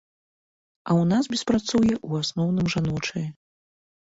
А ў нас беспрацоўе ў асноўным жаночае.